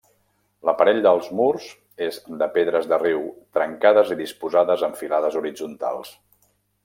L'aparell dels murs és de pedres de riu trencades i disposades en filades horitzontals.